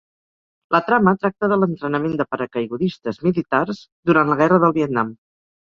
La trama tracta de l'entrenament de paracaigudistes militars durant la guerra del Vietnam.